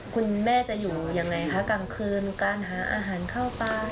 คุณแม่จะอยู่ยังไงคะกลางคืนการหาอาหารเข้าปลา